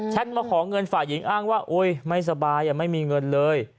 มาขอเงินฝ่ายหญิงอ้างว่าโอ๊ยไม่สบายไม่มีเงินเลย